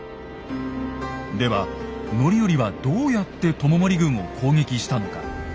では範頼はどうやって知盛軍を攻撃したのか。